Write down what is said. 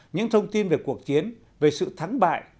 những thông tin về cuộc chiến về sự thắng bại